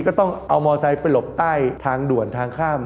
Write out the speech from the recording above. ก็ต้องเอามอไซค์ไปหลบใต้ทางด่วนทางข้าม